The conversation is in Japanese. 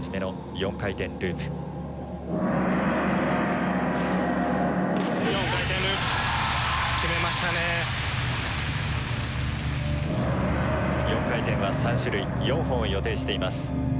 ４回転は３種類４本を予定しています。